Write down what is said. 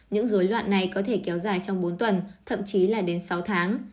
những dối loạn này có thể kéo dài trong bốn tuần thậm chí là đến sáu tháng